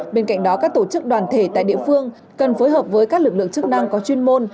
bên cạnh đó các tổ chức đoàn thể tại địa phương cần phối hợp với các lực lượng chức năng có chuyên môn